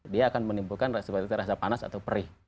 dia akan menimbulkan rasa panas atau perih